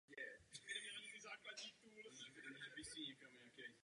Považuji to za správné.